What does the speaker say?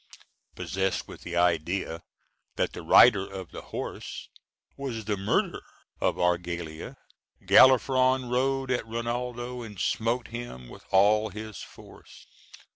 Possessed with the idea that the rider of the horse was the murderer of Argalia, Galafron rode at Rinaldo, and smote him with all his force.